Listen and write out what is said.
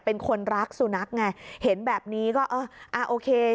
เป็นคนรักสุนัขไงเห็นแบบนี้ก็เอออ่าโอเค